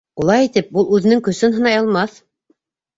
Улай итеп ул үҙенең көсөн һынай алмаҫ.